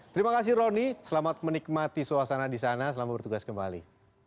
terima kasih roni selamat menikmati suasana di sana selamat bertugas kembali